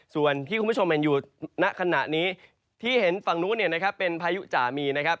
ส่วนที่คุณผู้ชมใหม่อยู่ณขณะนี้ที่เห็นฝั่งนู้นเป็นภายุจะมีนะครับ